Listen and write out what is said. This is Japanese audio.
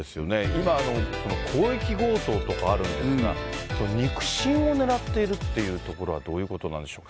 今、広域強盗とかあるんですが、肉親を狙っているっていうところはどういうことなんでしょう。